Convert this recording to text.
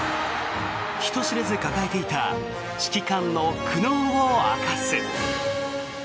人知れず抱えていた指揮官の苦悩を明かす。